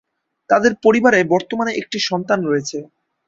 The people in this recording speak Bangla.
তাদের পরিবারে বর্তমানে একটি সন্তান রয়েছে।